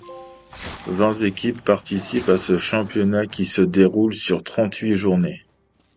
Vingt équipes participent à ce championnat qui se déroule sur trente-huit journées.